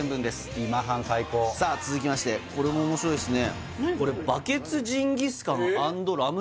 今半最高さあ続きましてこれも面白いですね